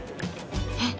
えっ？